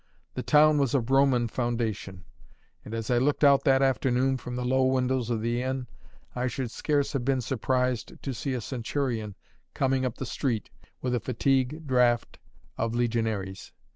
The town was of Roman foundation; and as I looked out that afternoon from the low windows of the inn, I should scarce have been surprised to see a centurion coming up the street with a fatigue draft of legionaries.